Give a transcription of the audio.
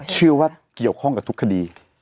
เชื่อว่าเกี่ยวข้องกับทุกคดี